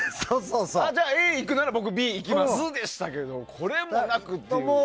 じゃあ、Ａいくなら僕Ｂいきますでしたけどそれもなくという。